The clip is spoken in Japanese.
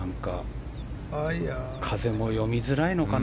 風も読みづらいのかな。